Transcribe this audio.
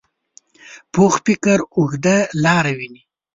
پوخ فکر اوږده لاره ویني